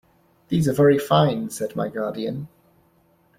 "These are very fine," said my guardian.